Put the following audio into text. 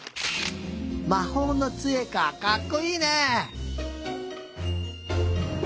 まほうのつえかかっこいいね！